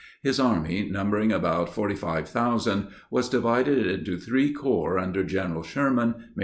His army, numbering about 45,000, was divided into three corps under General Sherman, Maj.